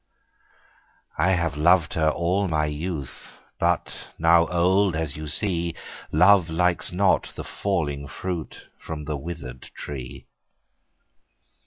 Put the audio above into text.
I have loved her all my youth, But now old, as you see, Love likes not the falling fruit From the withered tree.